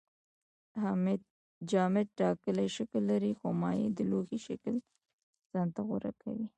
جامد ټاکلی شکل لري خو مایع د لوښي شکل ځان ته غوره کوي